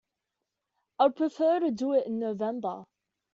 I would prefer to do it in November.